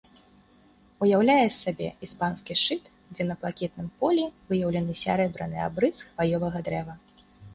Уяўляе з сабе іспанскі шчыт, дзе на блакітным полі выяўлены сярэбраны абрыс хваёвага дрэва.